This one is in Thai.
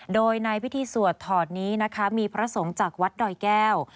โดยในพิธีสวดถอดนี้นะคะมีพระสงฆ์จากวัดดอยแก้ว